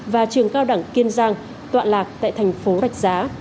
và trường cao đẳng kiên giang tọa lạc tại thành phố rạch giá